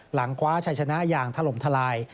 คว้าชัยชนะอย่างถล่มทลาย